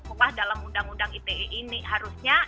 ubah dalam undang undang ite ini harusnya